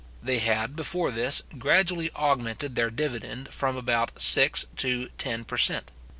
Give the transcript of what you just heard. They had, before this, gradually augmented their dividend from about six to ten per cent.